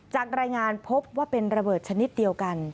จากรายงานพบว่าเป็นระเบิดชนิดเดียวกัน